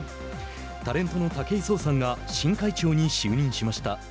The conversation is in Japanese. タレントの武井壮さんが新会長に就任しました。